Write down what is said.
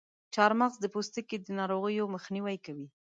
چارمغز د پوستکي د ناروغیو مخنیوی کوي.